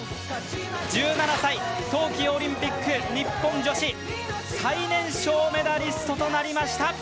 １７歳冬季オリンピック日本女子最年少メダリストとなりました。